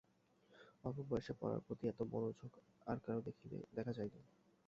অল্প বয়সে পড়ার প্রতি এত মনোযোগ আর কারো দেখা যায় না।